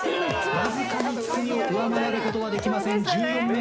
わずかに堤を上回ることはできません。